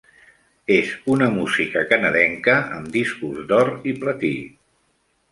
És una música canadenca amb discos d'or i platí.